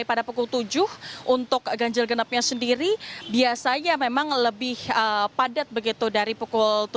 pada pukul tujuh untuk ganjil genapnya sendiri biasanya memang lebih padat begitu dari pukul tujuh